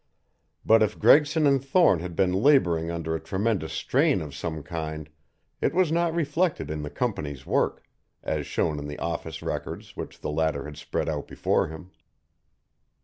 But if Gregson and Thorne had been laboring under a tremendous strain of some kind it was not reflected in the company's work, as shown in the office records which the latter had spread out before him.